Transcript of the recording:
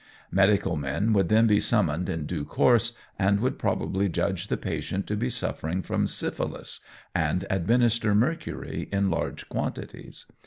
Medical men would then be summoned in due course, and would probably judge the patient to be suffering from syphilis, and administer mercury in large quantities.